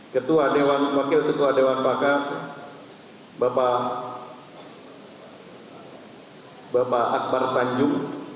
ketua wakil ketua dewan pakar bapak akbar tanjung